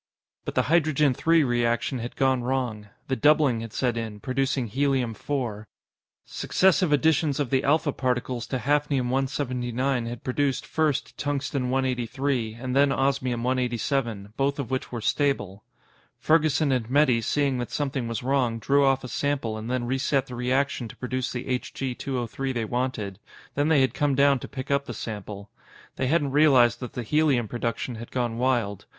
But the Hydrogen 3 reaction had gone wrong. The doubling had set in, producing Helium 4. Successive additions of the alpha particles to Hafnium 179 had produced, first, Tungsten 183, and then Osmium 187, both of which were stable. Ferguson and Metty, seeing that something was wrong, drew off a sample and then reset the reaction to produce the Hg 203 they wanted. Then they had come down to pick up the sample. They hadn't realized that the helium production had gone wild.